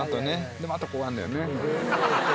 でもあとこうやんだよね。